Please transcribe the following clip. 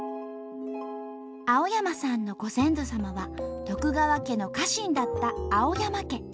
青山さんのご先祖様は徳川家の家臣だった青山家。